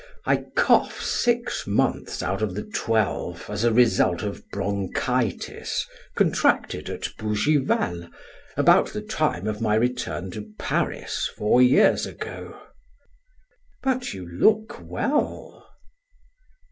I cough six months out of the twelve as a result of bronchitis contracted at Bougival, about the time of my return to Paris four years ago." "But you look well."